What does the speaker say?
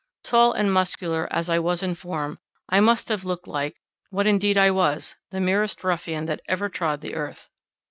Tall and muscular as I was in form, I must have looked like, what indeed I was, the merest ruffian that ever trod the earth.